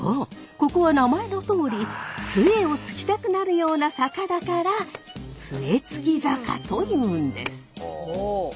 ここは名前のとおり杖をつきたくなるような坂だから杖衝坂というんです。